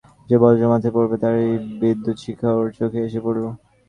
যে বজ্র মাথায় পড়বে তারই বিদ্যুৎশিখা ওর চোখে এসে পড়ল।